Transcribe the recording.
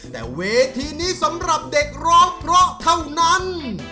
แต่เวทีนี้สำหรับเด็กร้องเพราะเท่านั้น